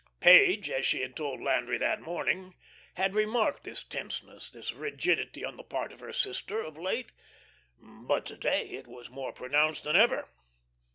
Page, as she had told Landry that morning, had remarked this tenseness, this rigidity on the part of her sister, of late. But to day it was more pronounced than ever.